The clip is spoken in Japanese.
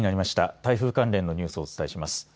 台風関連のニュースをお伝えします。